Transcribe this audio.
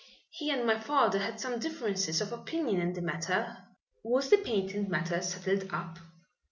He and my father had some differences of opinion in the matter." "Was the patent matter settled up?"